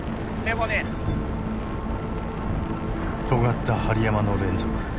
とがった針山の連続。